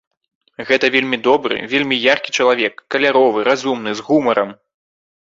Гэта вельмі добры, вельмі яркі чалавек, каляровы, разумны, з гумарам.